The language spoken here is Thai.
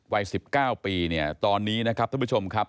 วัย๑๙ปีเนี่ยตอนนี้นะครับท่านผู้ชมครับ